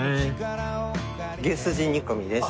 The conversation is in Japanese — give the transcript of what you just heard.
牛すじ煮込みです。